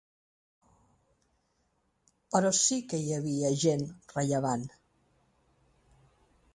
Però sí que hi havia gent rellevant.